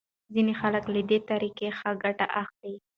ځینې خلک له دې طریقې ښه ګټه اخلي.